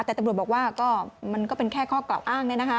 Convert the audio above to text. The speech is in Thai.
แต่ตำรวจบอกว่าก็มันก็เป็นแค่ข้อกล่าวอ้าง